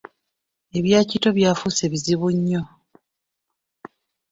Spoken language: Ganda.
Ebya Kityo by’afuuse bizibu nnyo.